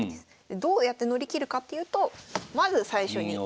どうやって乗り切るかっていうとまず最初に銀を打つ。